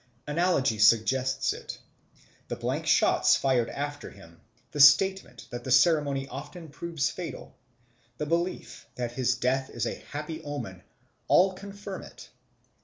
Analogy suggests it; the blank shots fired after him, the statement that the ceremony often proves fatal, the belief that his death is a happy omen, all confirm it.